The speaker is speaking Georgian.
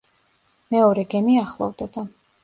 მეორე გემი ახლოვდება.